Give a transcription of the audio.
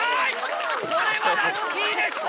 これはラッキーでした！